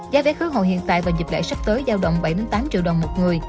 giá vé khứa hồ hiện tại và dịp lễ sắp tới giao động bảy tám triệu đồng một người